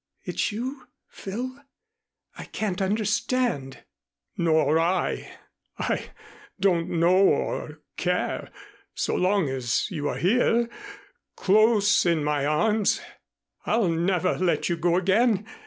"It's you, Phil? I can't understand " "Nor I. I don't know or care so long as you are here close in my arms. I'll never let you go again.